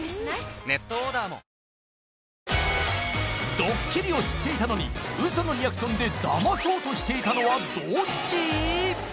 ドッキリを知っていたのにウソのリアクションでダマそうとしていたのはどっち？